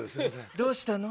どうしたの？